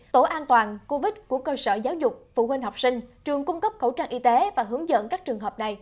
tổ an toàn covid của cơ sở giáo dục phụ huynh học sinh trường cung cấp khẩu trang y tế và hướng dẫn các trường hợp này